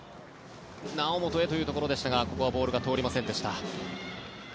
猶本へというところでしたがここはボールが通りませんでした。